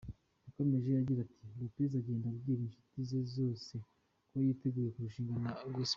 Yakomeje agira ati :« Lopez agenda abwira inshuti ze zose ko yiteguye kurushingana na Casper.